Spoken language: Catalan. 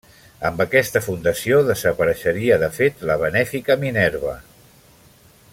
Amb aquesta fundació desapareixeria de fet la Benèfica Minerva.